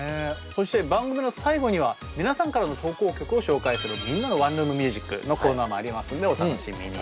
そして番組の最後には皆さんからの投稿曲を紹介する「みんなのワンルーム☆ミュージック」のコーナーもありますのでお楽しみに！